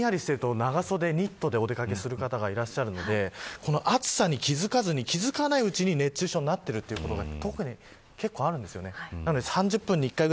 朝、わりとひんやりしていると長袖、ニットでお出掛けする方がいらっしゃるので暑さに気付かないうちに熱中症になっているということが結構あるんですよね。